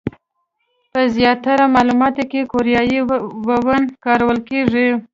په زیاتره معاملاتو کې کوریايي وون کارول کېږي.